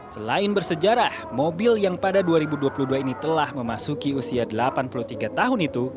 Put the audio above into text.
selain bersejarah mobil yang pada dua ribu dua puluh dua ini telah memasuki usia delapan puluh tiga tahun itu